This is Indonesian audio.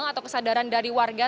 atau kesadaran dari warga